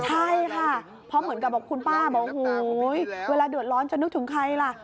ใช่ค่ะเพราะเหมือนกับบอกคุณป้าบอกโอ้โหเวลาเดือดร้อนจะนึกถึงใครล่ะ